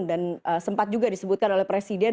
dan sempat juga disebutkan